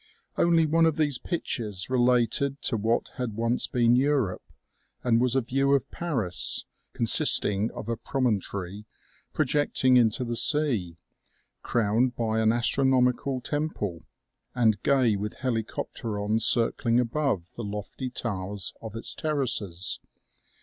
Only one of these pictures related to what had once been Europe, and was a view of Paris, consisting of a promontory pro jecting into the sea, crowned by an astronomical temple and gay with helicopterons circling above the lofty towers of its terraces.